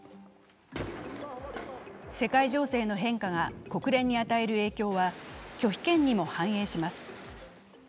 世界情勢の変化が国連に与える影響は拒否権にも反映します。